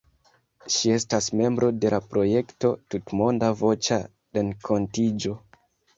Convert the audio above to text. Ŝi estas membro de la projekto "Tutmonda Voĉa Renkontiĝo".